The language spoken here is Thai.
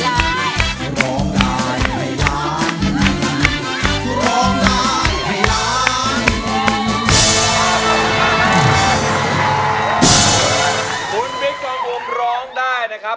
คุณวิทย์กรรมอุ๊บร้องได้นะครับ